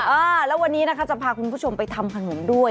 อ่าแล้ววันนี้นะคะจะพาคุณผู้ชมไปทำขนมด้วย